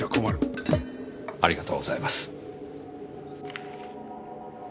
ありがとうございます。